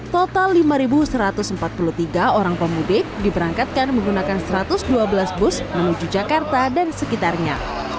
total lima satu ratus empat puluh tiga orang pemudik diberangkatkan menggunakan satu ratus dua belas bus menuju jakarta dan sekitarnya